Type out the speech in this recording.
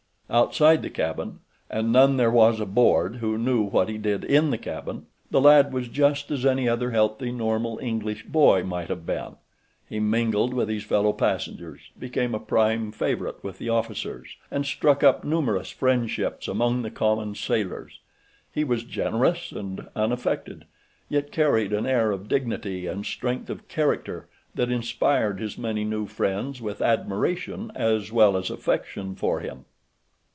Outside the cabin—and none there was aboard who knew what he did in the cabin—the lad was just as any other healthy, normal English boy might have been. He mingled with his fellow passengers, became a prime favorite with the officers, and struck up numerous friendships among the common sailors. He was generous and unaffected, yet carried an air of dignity and strength of character that inspired his many new friends with admiration as well as affection for him.